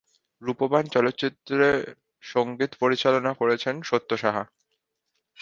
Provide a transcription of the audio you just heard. রূপবান চলচ্চিত্রের সঙ্গীত পরিচালনা করেছেন সত্য সাহা।